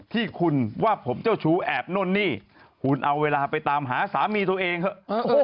ที่คุณว่าผมเจ้าชู้แอบนู่นนี่คุณเอาเวลาไปตามหาสามีตัวเองเถอะ